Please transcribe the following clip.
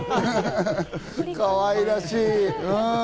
かわいらしい！